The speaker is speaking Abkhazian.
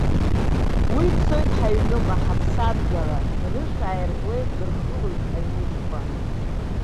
Уи дцоит ҳаҩныҟа, ҳаԥсадгьыл ахь, рышә ааиртуеит, дырхылоит ҳаҩныжәқәа!